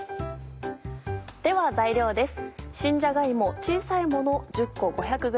では材料です。